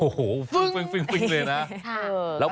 โอ้โหฟึ้งเลยนะ